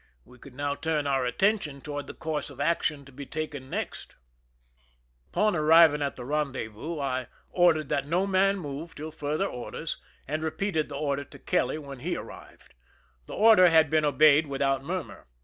We could now turn our attention toward the course of action to be taken next. Upon aniving at the rendezvous, I ordered that no man move till further orders, and repeated the order to Kelly when he arrived. The order had been obeyed without murmur.